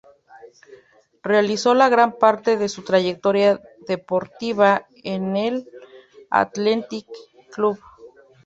Realizó la gran parte de su trayectoria deportiva en el Athletic Club.